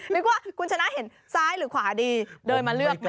นึกว่าคุณชนะเห็นซ้ายหรือขวาดีเดินมาเลือกนะ